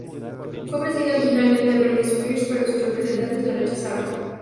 Fue ofrecida originalmente a Britney Spears, pero sus representantes la rechazaron.